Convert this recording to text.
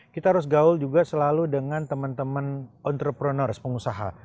kita harus gaul juga selalu dengan teman teman entrepreneurs pengusaha